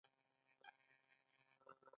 آیا دښتې او یخچالي سیمې نشته؟